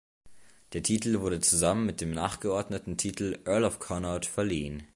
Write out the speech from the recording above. Der Titel wurde zusammen mit dem nachgeordneten Titel "Earl of Connaught" verliehen.